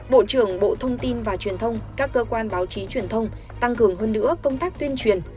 bộ trưởng bộ thông tin và truyền thông các cơ quan báo chí truyền thông tăng cường hơn nữa công tác tuyên truyền